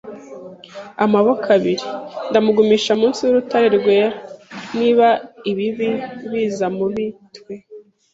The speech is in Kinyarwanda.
amaboko abiri. Ndamugumisha munsi y'urutare rwera. Niba ibibi biza mubi, twe